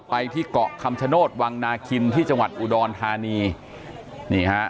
ไปที่เกาะคำชโนธวังนาคินที่จังหวัดอุดรธานีนี่ฮะ